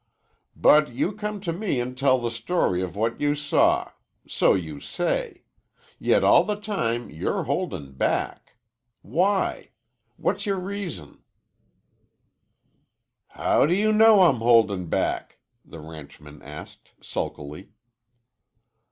"But you come to me an' tell the story of what you saw. So you say. Yet all the time you're holdin' back. Why? What's your reason?" "How do you know I'm holdin' back?" the ranchman asked sulkily.